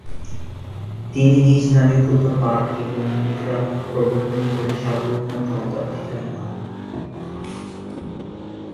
তিনি নিজ নামে খুতবা পাঠ এবং মুদ্রা প্রবর্তন করে সার্বভৌম ক্ষমতার অধিকারী হন।